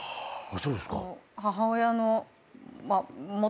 そうですか。